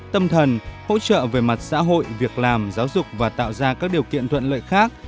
tâm thần hỗ trợ về mặt xã hội việc làm giáo dục và tạo ra các điều kiện thuận lợi khác